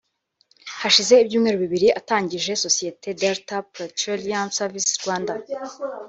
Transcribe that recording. Hashize ibyumweru bibiri atangije sosiyete Delta Petroleum Services Rwanda